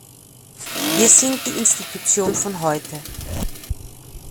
Wir sind die Institution von heute.